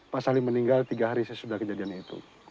pak salim meninggal tiga hari sesudah kejadian itu